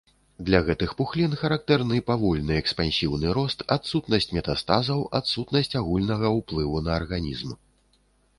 Для гэтых пухлін характэрны павольны экспансіўны рост, адсутнасць метастазаў, адсутнасць агульнага ўплыву на арганізм.